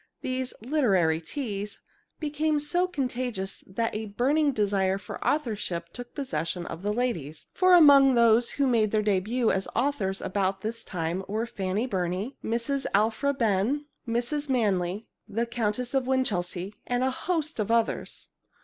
These "literary teas" became so contagious that a burning desire for authorship took possession of the ladies, for among those who made their debut as authors about this time were Fanny Burney, Mrs. Alphra Behn, Mrs. Manley, the Countess of Winchelsea, and a host of others.